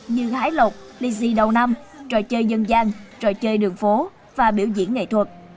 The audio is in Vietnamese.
như hái lột lizzie đầu năm trò chơi dân gian trò chơi đường phố và biểu diễn nghệ thuật